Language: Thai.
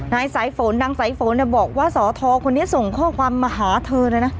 นายสายโฟนนางสายโฟนเนี่ยบอกว่าสอทอคนนี้ส่งข้อความมาหาเธอแล้วนะ